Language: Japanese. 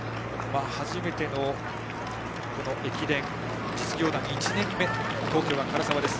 初めての駅伝、実業団１年目東京の唐沢。